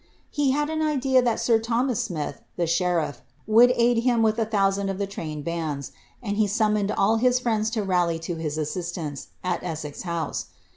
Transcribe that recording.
He had an idea that sir Thomas Smith, the sherifi!^ would aid him with a thousand of the trained bands, and he fommoned all his friends to rally to his assistance, at Essex House.